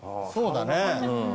そうだね。